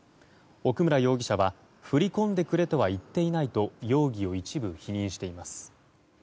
奥村容疑者は振り込んでくれとは言っていないと容疑を一部否認しています。